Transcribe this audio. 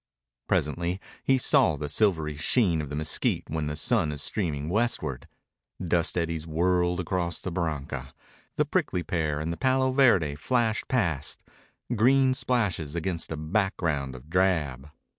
Presently he saw the silvery sheen of the mesquite when the sun is streaming westward. Dust eddies whirled across the barranca. The prickly pear and the palo verde flashed past, green splashes against a background of drab.